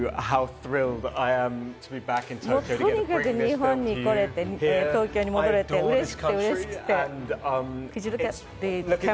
とにかく日本に来られて、東京に戻れてうれしくてうれしくて。